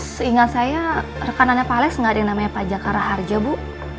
seingat saya rekanannya pak alex gak ada yang namanya pak jakar harja bu